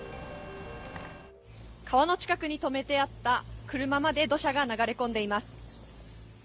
川の近くに止めてあった車のまで土砂が流れ込んでいます。